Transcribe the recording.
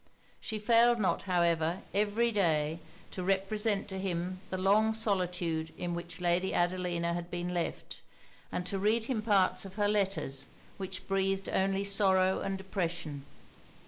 She failed not, however, every day to represent to him the long solitude in which Lady Adelina had been left, and to read to him parts of her letters which breathed only sorrow and depression.